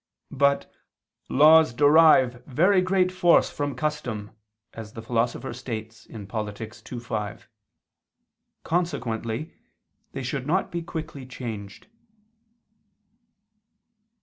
But "laws derive very great force from custom," as the Philosopher states (Polit. ii, 5): consequently they should not be quickly changed.